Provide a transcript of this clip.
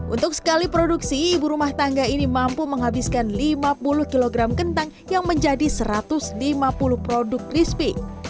untuk sekali produksi ibu rumah tangga ini mampu menghabiskan lima puluh kg kentang yang menjadi satu ratus lima puluh produk crispy